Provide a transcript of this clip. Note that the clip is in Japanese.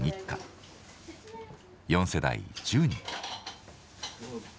４世代１０人。